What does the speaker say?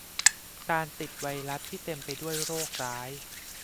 การติดไวรัสที่เต็มไปด้วยโรคร้าย